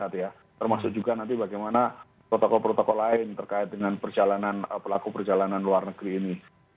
termasuk juga nanti bagaimana protokol protokol lain terkait dengan perjalanan pelaku perjalanan luar negeri ini